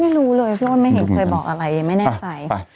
ไม่รู้เลยพี่อ้นไม่เห็นเคยบอกอะไรไม่แน่ใจ